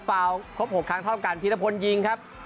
ฟาวครบ๖ครั้งท่อมการพิทธิพลยิงครับ